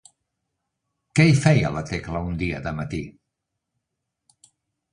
Què feia la Tecla un dia de matí?